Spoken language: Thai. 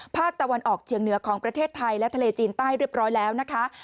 ภาคตะวันออกเชียงเหนือของประเทศไทยและทะเลจีนใต้เรียบร้อยแล้วนะคะ